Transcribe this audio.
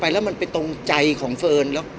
พี่อัดมาสองวันไม่มีใครรู้หรอก